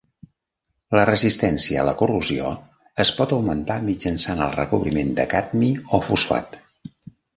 La resistència a la corrosió es pot augmentar mitjançant el recobriment de cadmi o fosfat.